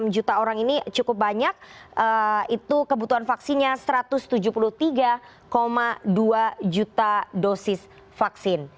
enam juta orang ini cukup banyak itu kebutuhan vaksinnya satu ratus tujuh puluh tiga dua juta dosis vaksin